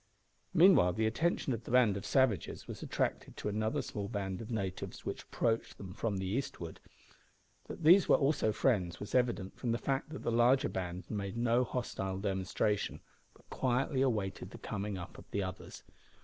Meanwhile the attention of the band of savages was attracted to another small band of natives which approached them from the eastward. That these were also friends was evident from the fact that the larger band made no hostile demonstration, but quietly awaited the coming up of the others.